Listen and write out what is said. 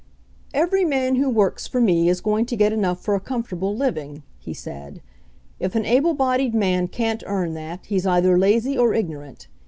"Every man who works for me is going to get enough for a comfortable living," he said. "If an able bodied man can't earn that, he's either lazy or ignorant.